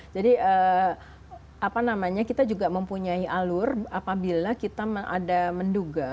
jadi apa namanya kita juga mempunyai alur apabila kita ada menduga